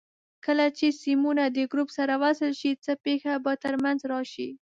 کله چې سیمونه د ګروپ سره وصل شي څه پېښه به تر منځ راشي؟